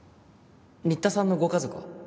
新田さんのご家族は？